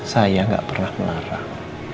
saya gak pernah menarang